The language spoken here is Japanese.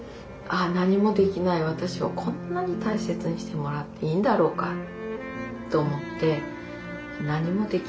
あ何もできない私をこんなに大切にしてもらっていいんだろうかと思って。